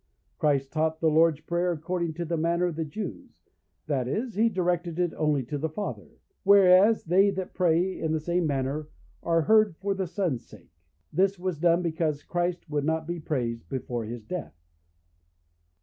Christ taught the Lord's Prayer according to the manner of the Jews—that is, he directed it only to the Father; whereas they that pray in the same manner, are heard for the Son's sake. This was done because Christ would not be praised before his death.